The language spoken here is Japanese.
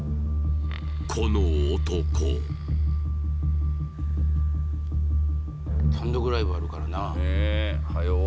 この男単独ライブあるからなねえはよう